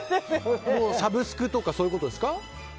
もうサブスクとかそういうことですか？